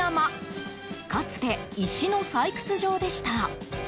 かつて、石の採掘場でした。